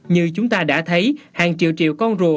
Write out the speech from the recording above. như chúng ta đã thấy hàng triệu triệu con rùa